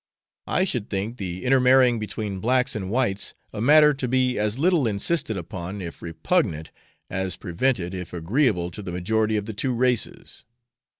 I should think the intermarrying between blacks and whites a matter to be as little insisted upon if repugnant, as prevented if agreeable to the majority of the two races.